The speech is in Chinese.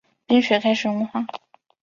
冰雪开始融化